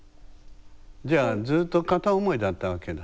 じゃあずっと片思いだったわけだ。